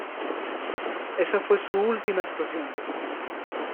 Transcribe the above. Esa fue su última actuación.